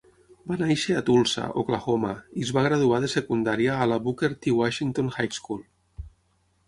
Va néixer a Tulsa (Oklahoma) i es va graduar de secundària a la Booker T. Washington High School.